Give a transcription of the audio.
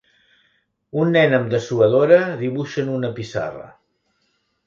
Un nen amb dessuadora dibuixa en una pissarra.